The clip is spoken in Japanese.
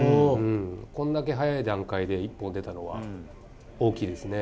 こんだけ早い段階で１本出たのは大きいですね。